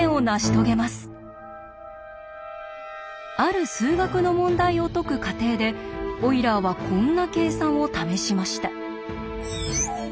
ある数学の問題を解く過程でオイラーはこんな計算を試しました。